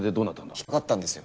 引っ掛かったんですよ。